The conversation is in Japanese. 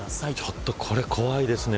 ちょっと、これ怖いですね。